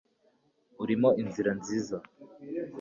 Urimo inzira nziza